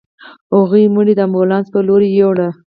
هغوی مړی د امبولانس په لورې يووړ.